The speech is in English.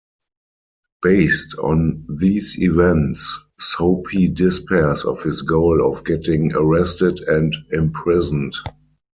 Based on these events, Soapy despairs of his goal of getting arrested and imprisoned.